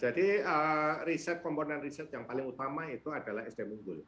jadi komponen riset yang paling utama itu adalah sdmunggul